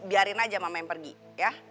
biarin aja mama yang pergi ya